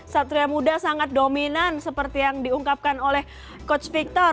satria muda sangat dominan seperti yang diungkapkan oleh coach victor